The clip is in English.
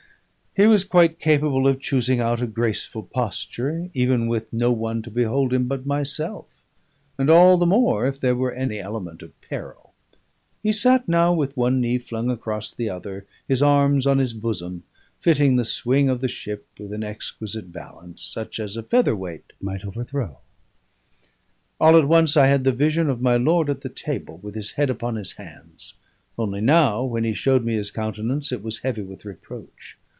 He was quite capable of choosing out a graceful posture, even with no one to behold him but myself, and all the more if there were any element of peril. He sat now with one knee flung across the other, his arms on his bosom, fitting the swing of the ship with an exquisite balance, such as a featherweight might overthrow. All at once I had the vision of my lord at the table, with his head upon his hands; only now, when he showed me his countenance, it was heavy with reproach.